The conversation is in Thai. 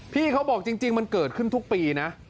พี่เขาบอกจริงมันเกิดขึ้นทุกปีนะ